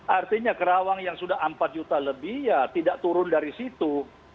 artinya kerawang yang sudah empat juta lebih ya tidak turun dari situ